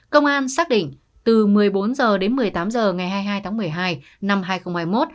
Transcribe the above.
công an xác định từ một mươi bốn h đến một mươi tám h ngày hai mươi hai tháng một mươi hai năm hai nghìn hai mươi một